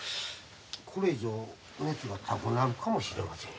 これ以上熱が高くなるかもしれません。